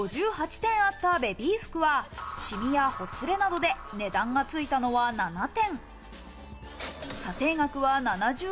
他にも５８点あったベビー服はシミやほつれなどで値段がついたのは７点。